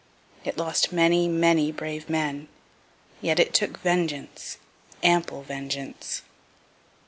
It lost many, many brave men, yet it took vengeance, ample vengeance.